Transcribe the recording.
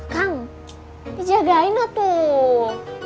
kang dijagainah tuh